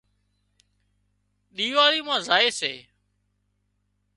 ۮِيواۯي مان زائي سي